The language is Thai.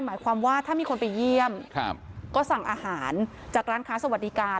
หมายความว่าถ้ามีคนไปเยี่ยมก็สั่งอาหารจากร้านค้าสวัสดิการ